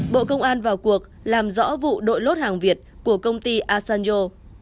bộ công an vào cuộc làm rõ vụ đội lốt hàng việt của công ty asanjo